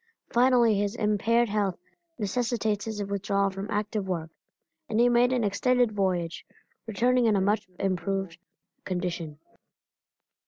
Finally his impaired health necessitated his withdrawal from active work, and he made an extended voyage, returning in a much improved condition.